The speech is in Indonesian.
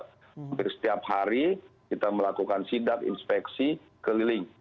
hampir setiap hari kita melakukan sidak inspeksi keliling